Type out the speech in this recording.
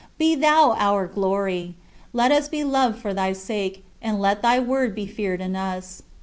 Be thou our glory; let us be loved for thy sake, and let thy word be feared in us.